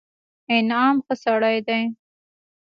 انعام ښه سړى دئ.